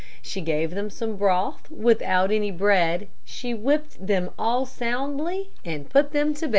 She gave them some broth without any bread. She whipped them all soundly and put them to bed.